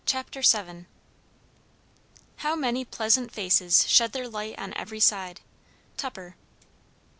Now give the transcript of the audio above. CHAPTER VII. How many pleasant faces shed their light on every side. TUPPER.